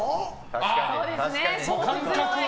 確かに。